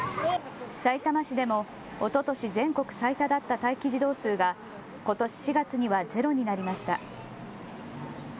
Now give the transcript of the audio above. さいたま市でもおととし全国最多だった待機児童数が、ことし４月にはゼロになりました。